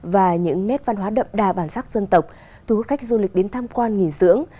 và những nét văn hóa đậm đà bản sắc dân tộc thu hút khách du lịch đến tham quan nghỉ dưỡng